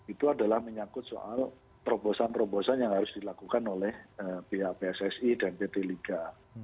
itu adalah menyangkut soal terobosan terobosan yang harus dilakukan oleh pihak pssi dan pt liga